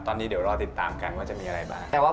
ตอนนี้เดี๋ยวรอติดตามกันว่าจะมีอะไรบ้าง